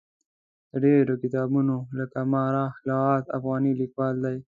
د ډېرو کتابونو لکه ما رخ لغات افغاني لیکوال دی.